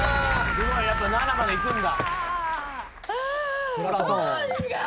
すごいやっぱりまだまだいくんだ。